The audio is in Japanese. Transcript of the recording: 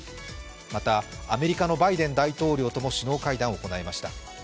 またアメリカのバイデン大統領とも首脳会談を行いました。